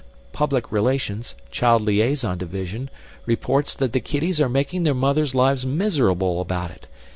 Public Relations, Child Liaison Division, reports that the kiddies are making their mothers' lives miserable about it.